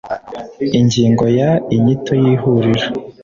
Ingingo ya Inyito y Ihuriro